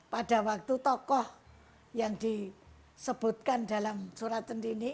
pada waktu tokoh yang disebutkan dalam surat centini